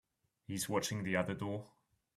He's watching the other door.